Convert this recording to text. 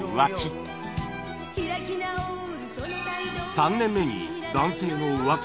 ３年目に男性の浮気が発覚！